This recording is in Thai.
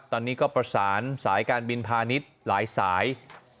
ตอนนี้ก็ประสานสายการบินพาณิชย์หลายสาย